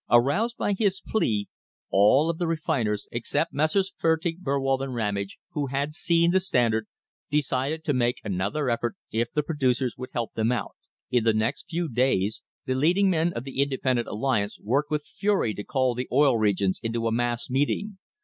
Aroused by his plea, all of the refiners, excepting Messrs. THE HISTORY OF THE STANDARD OIL COMPANY Fertig, Burwald and Ramage, who had seen the Standard, decided to make another effort if the producers would help them out. In the next few days the leading men of the inde pendent alliance worked with fury to call the Oil Regions into a mass meeting.